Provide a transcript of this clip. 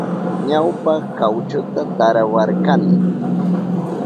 Ñawpa kawchuta tarawarkani.